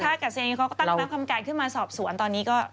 คือถ้าเกษียณนี้เขาก็ตั้งตามคำการขึ้นมาสอบสวนตอนนี้ก็